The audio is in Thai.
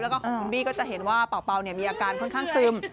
แล้วก็ของคุณบี้ก็จะเห็นว่าเป่ามีอาการค่อนข้างซึม